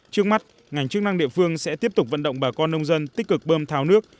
trước mắt ngành chức năng địa phương sẽ tiếp tục vận động bà con nông dân tích cực bơm tháo nước